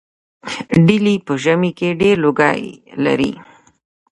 ډیلي په ژمي کې ډیر لوګی لري.